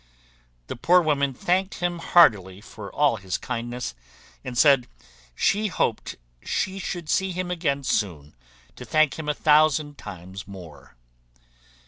The poor woman thanked him heartily for all his kindness, and said, she hoped she should see him again soon, to thank him a thousand times more.